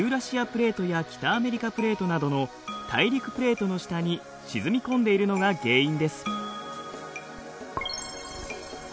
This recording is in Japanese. プレートや北アメリカプレートなどの大陸プレートの下に沈み込んでいるのが原因です。